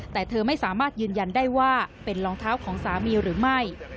แต่เธอไม่สามารถยืนยันได้ว่าเป็นรองเท้าของสามีหรือไม่